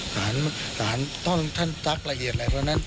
สารเราต้องสร้างละเอียดแล้ว